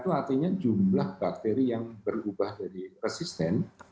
itu artinya jumlah bakteri yang berubah dari resisten